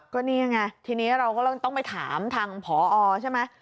ก็นี่ไงทีนี้เราก็ต้องไปถามทางผอใช่ไหม